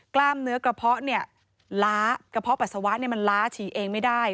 กล้ามเนื้อกระเพาะเนี่ยล้ากระเพาะปัสสาวะมันล้าฉี่เองไม่ได้